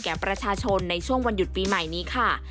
ประชาชนในช่วงวันหยุดปีใหม่นี้ค่ะ